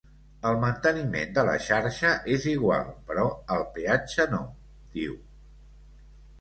El manteniment de la xarxa és igual, però el peatge no, diu.